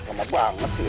lama banget sih ya